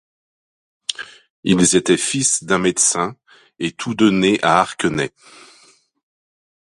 Ils étaient fils d'un médecin et tous deux nés à Arquenay.